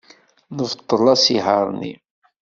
Nebṭel asihaṛ-nni.